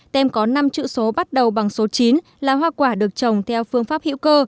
tem có năm chữ số bắt đầu bằng số chín là hoa quả được trồng theo phương pháp hữu cơ